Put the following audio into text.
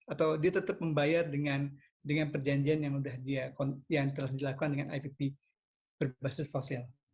atau dia tetap membayar dengan perjanjian yang telah dilakukan dengan ipp berbasis fosil